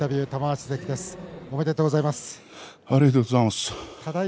ありがとうございます。